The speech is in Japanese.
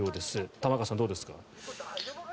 玉川さん、どうですか。